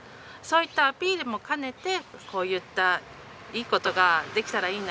そういったアピールも兼ねてこういったいい事ができたらいいなと思って。